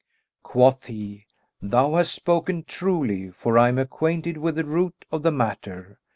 Quoth he, "Thou hast spoken truly, for I am acquainted with the root of the matter."